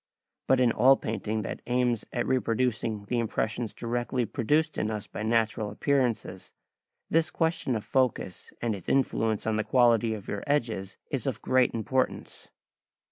But in all painting that aims at reproducing the impressions directly produced in us by natural appearances, this question of focus and its influence on the quality of your edges is of great importance.